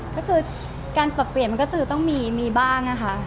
ก็คือการปรับเปลี่ยนมันก็จะต้องมีบ้างนะคะ